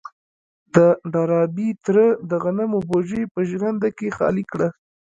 د ډاربي تره د غنمو بوجۍ په ژرنده کې خالي کړه.